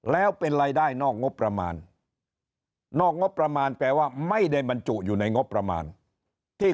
แล้วเป็นรายได้นอกงบประมาณนอกงบประมาณแปลว่าไม่ได้บรรจุอยู่ในงบประมาณที่